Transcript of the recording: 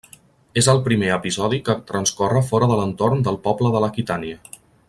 És el primer episodi que transcorre fora de l'entorn del poble de l'Aquitània.